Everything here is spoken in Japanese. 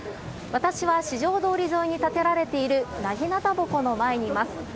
私は四条通沿いに立てられている長刀鉾の前にいます。